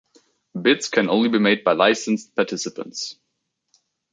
Bids can only be made by licensed participants.